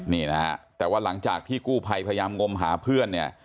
นี่นะฮะแต่ว่าหลังจากที่กู้ภัยพยายามงมหาเพื่อนเนี่ย